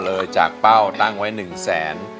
ก็เลยจากเป้าตั้งไว้หนึ่งแสน